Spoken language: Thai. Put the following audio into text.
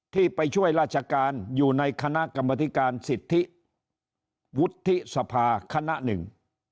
ที่ไปช่วยราชการอยู่ในคณะกรรมธิการสิทธิวุฒิสภาคณะหนึ่ง